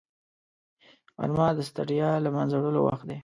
غرمه د ستړیا له منځه وړلو وخت دی